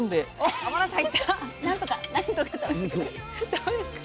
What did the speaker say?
どうですか？